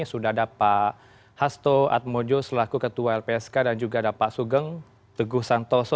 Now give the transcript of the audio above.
sudah ada pak hasto atmojo selaku ketua lpsk dan juga ada pak sugeng teguh santoso